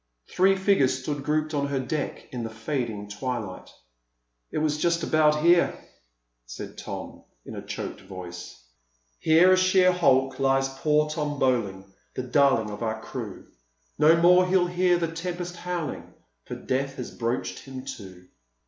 Three figures stood grouped on her deck in the fading twilight. "It was just about here," said Don in a choked voice: "Here, a sheer hulk, lies poor Tom Bowling, The darling of our crew; No more he'll hear the tempest howling, For death has broached him to.